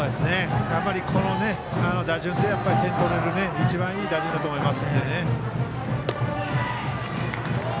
この打順で点を取れるので一番いい打順だと思います。